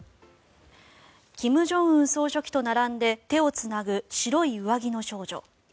金正恩総書記と並んで手をつなぐ白い上着の少女。